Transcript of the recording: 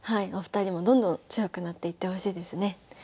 お二人もどんどん強くなっていってほしいですね。